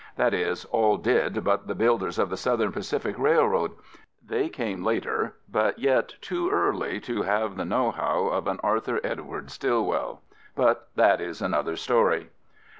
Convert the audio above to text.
That is, all did but the builders of the Southern Pacific Railroad. They came later, but yet too early to have the know how of an Arthur Edward Stilwell. But that is another story.